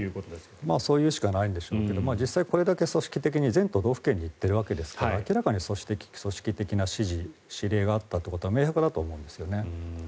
そう言うしかないんでしょうけど実際、これだけ組織的に全都道府県に行っているわけですから明らかに組織的な指示があったことは明白だと思うんですよね。